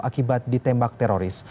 akibat ditembak teroris